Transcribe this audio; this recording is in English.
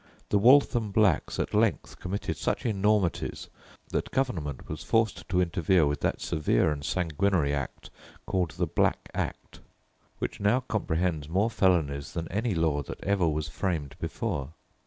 The Waltham blacks at length committed such enormities, that government was forced to interfere with that severe and sanguinary act called the Black Act,* which now comprehends more felonies than any law that ever was framed before.